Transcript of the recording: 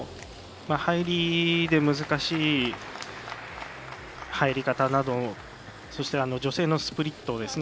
入りで難しい入り方などそして、女性のスプリット。